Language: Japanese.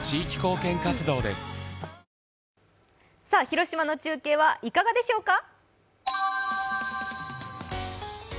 広島の中継はいかがでしょうか。